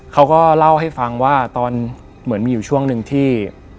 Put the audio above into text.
เขาก็เล่าให้ฟังว่าตอนเหมือนมีอยู่ช่วงหนึ่งที่